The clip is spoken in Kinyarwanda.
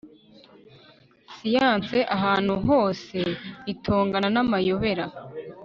Siyanse ahantu hose itongana namayobera